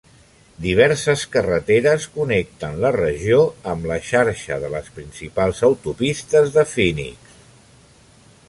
Diverses carreteres connecten la regió amb la xarxa de les principals autopistes de Phoenix.